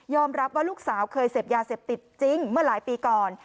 รับว่าลูกสาวเคยเสพยาเสพติดจริงเมื่อหลายปีก่อน